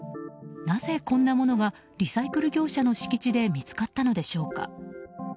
なぜこんなものがリサイクル業者の敷地で見つかったのでしょうか。